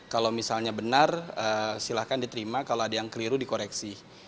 kalau misalnya benar silahkan diterima kalau ada yang keliru dikoreksi